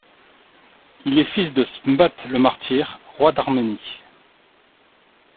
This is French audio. Il est fils de Smbat le Martyr, roi d'Arménie.